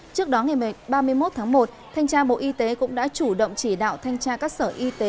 trước đó ngày ba mươi một tháng một thanh tra bộ y tế cũng đã chủ động chỉ đạo thanh tra các sở y tế